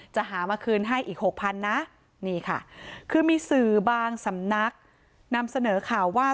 จะหามาคืนให้อีกหกพันนะนี่ค่ะคือมีสื่อบางสำนักนำเสนอข่าวว่า